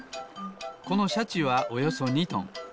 このシャチはおよそ２トン。